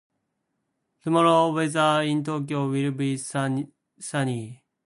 Tomorrow's weather in Tokyo will be sunny.